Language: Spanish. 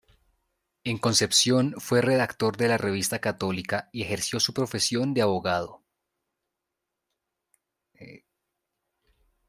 En Concepción fue redactor de la Revista Católica y ejerció su profesión de abogado.